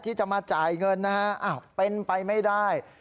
ที่จะมาจ่ายเงินนะฮะเป็นไปไม่ได้